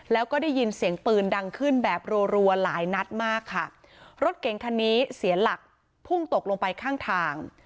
แล้วก็ได้ยินเสียงปืนดังขึ้นแบบรัวหลายนัดมากค่ะรถเก๋งคันนี้เสียหลักพุ่งตกลงไปข้างทาง